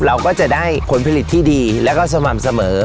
เราก็จะได้ผลผลิตที่ดีแล้วก็สม่ำเสมอ